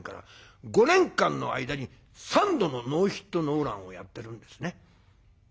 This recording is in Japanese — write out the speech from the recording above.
５年間の間に３度のノーヒットノーランをやってるんですね。